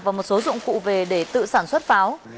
và một số dụng cụ về để tự sản xuất pháo